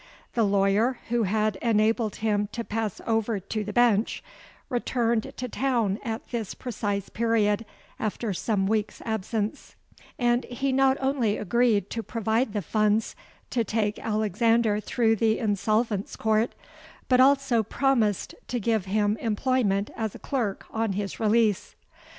The lawyer who had enabled him to pass over to the Bench, returned to town at this precise period, after some weeks' absence; and he not only agreed to provide the funds to take Alexander through the Insolvents' Court, but also promised to give him employment as a clerk on his release.